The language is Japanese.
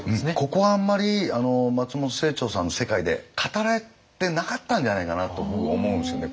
ここはあんまり松本清張さんの世界で語られてなかったんじゃないかなと僕思うんですよね